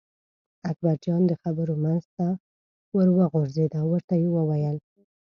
اکبرجان د خبرو منځ ته ور وغورځېد او ورته یې وویل.